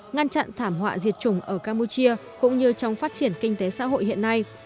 ngăn chặn thảm họa diệt chủng ở campuchia cũng như trong phát triển kinh tế xã hội hiện nay